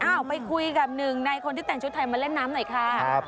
ไปคุยกับหนึ่งในคนที่แต่งชุดไทยมาเล่นน้ำหน่อยค่ะ